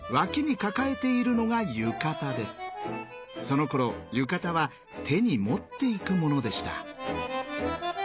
そのころ浴衣は手に持っていくものでした。